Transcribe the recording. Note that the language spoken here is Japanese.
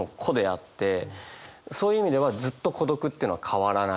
そういう意味ではずっと孤独っていうのは変わらない。